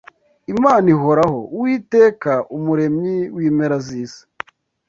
Imana ihoraho, Uwiteka Umuremyi w’impera z’isi